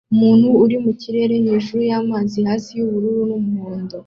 Umuntu uri mu kirere hejuru y’amazi hasi yubururu n'umuhondo